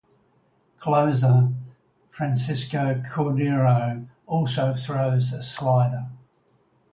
Closer Francisco Cordero also throws a slider.